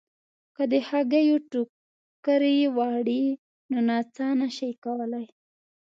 که د هګیو ټوکرۍ وړئ نو نڅا نه شئ کولای.